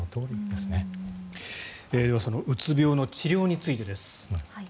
ではうつ病の治療についてです。